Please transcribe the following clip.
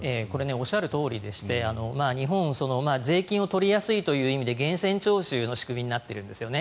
おっしゃるとおりでして日本は税金を取りやすいという意味で源泉徴収の仕組みになっているんですよね。